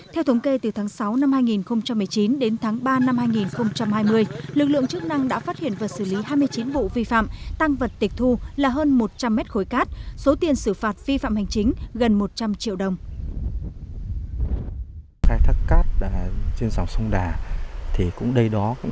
theo thống kê từ tháng sáu năm hai nghìn một mươi chín đến tháng ba năm hai nghìn hai mươi lực lượng chức năng đã phát hiện và xử lý hai mươi chín vụ vi phạm tăng vật tịch thu là hơn một trăm linh mét khối cát số tiền xử phạt vi phạm hành chính gần một trăm linh triệu đồng